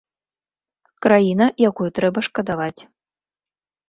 Краіна, якую трэба шкадаваць.